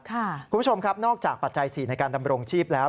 คุณผู้ชมครับนอกจากปัจจัย๔ในการดำรงชีพแล้ว